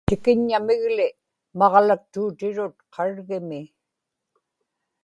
tikiññamig-li maġlaktuutirut qargimi